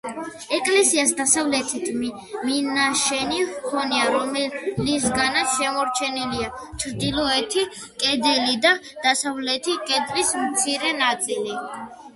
ეკლესიას დასავლეთით მინაშენი ჰქონია, რომლისგანაც შემორჩენილია ჩრდილოეთი კედელი და დასავლეთი კედლის მცირე ნაწილი.